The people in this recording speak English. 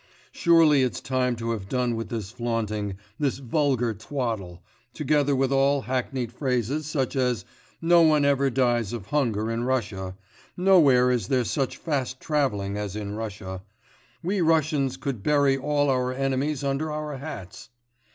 Surely it's time to have done with this flaunting, this vulgar twaddle, together with all hackneyed phrases such as "no one ever dies of hunger in Russia," "nowhere is there such fast travelling as in Russia," "we Russians could bury all our enemies under our hats."